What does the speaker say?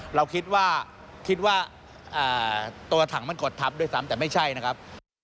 เราคิดว่าคิดว่าตัวถังมันกดทับด้วยซ้ำแต่ไม่ใช่นะครับ